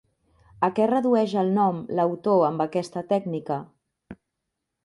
A què redueix el nom l'autor amb aquesta tècnica?